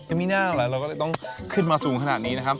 ไม่มีหน้าหรอกเราก็เลยต้องขึ้นมาสูงขนาดนี้นะครับ